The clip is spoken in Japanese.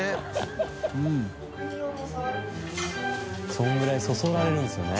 そのぐらいそそられるんですよね。